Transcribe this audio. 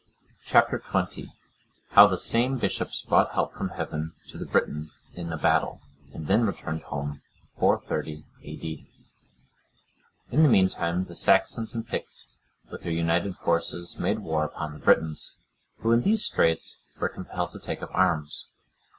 Chap. XX. How the same Bishops brought help from Heaven to the Britons in a battle, and then returned home. [430 A.D.] In the meantime, the Saxons and Picts, with their united forces, made war upon the Britons, who in these straits were compelled to take up arms.